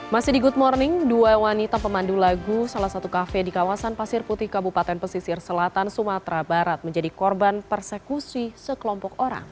masih di good morning dua wanita pemandu lagu salah satu kafe di kawasan pasir putih kabupaten pesisir selatan sumatera barat menjadi korban persekusi sekelompok orang